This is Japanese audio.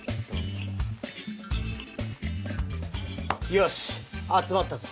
よしあつまったぞ。